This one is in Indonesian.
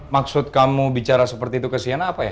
maksud kamu bicara seperti itu kesian apa ya